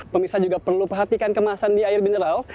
pemirsa juga perlu perhatikan kemasan di air mineral